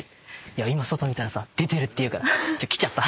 今外にいたらさ出てるっていうから来ちゃった。